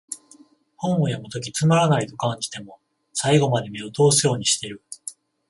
本を読むときつまらないと感じても、最後まで目を通すようにしてる